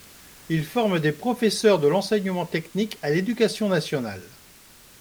Il forme des professeurs de l'enseignement technique à l'Éducation nationale.